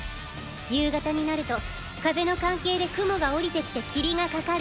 夕方になると風の関係で雲が降りてきて霧がかかる。